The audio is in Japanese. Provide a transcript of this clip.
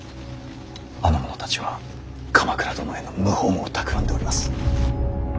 あの者たちは鎌倉殿への謀反をたくらんでおります。